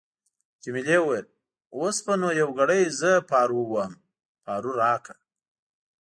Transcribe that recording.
جميلې وويل:: اوس به نو یو ګړی زه پارو وواهم، پارو راکړه.